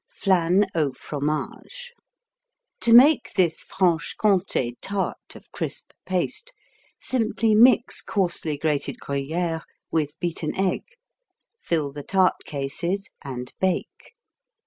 Flan au Fromage To make this Franche Comté tart of crisp paste, simply mix coarsely grated Gruyère with beaten egg, fill the tart cases and bake.